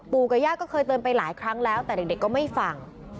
ปู่กับย่าก็เคยเติมไปหลายครั้งแล้วแต่เด็กก็ไม่ฟัง